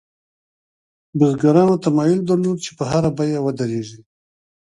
بزګرانو تمایل درلود په هره بیه ودرېږي.